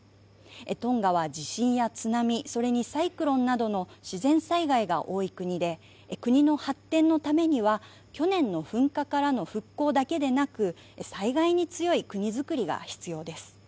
トンガは地震や津波それにサイクロンなどの自然災害が多い国で国の発展のためには去年の噴火からの復興だけでなく災害に強い国づくりが必要です。